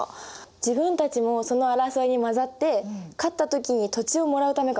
自分たちもその争いに混ざって勝った時に土地をもらうためかな。